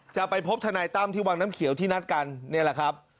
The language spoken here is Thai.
จะไปพบทนายตั้มที่วังน้ำเขียวที่นัดกันนี่แหละครับ